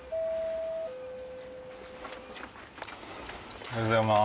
おはようございます。